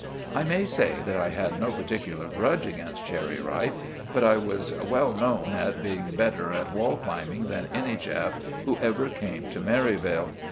I may say that I had no particular grudge against Cherry Ripe, but I was well known at being better at wall climbing than any chap who ever came to Merivale.